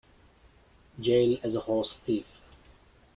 Jail as a horse thief.